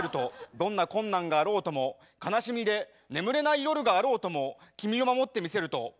どんな困難があろうとも悲しみで眠れない夜があろうとも君を守ってみせると。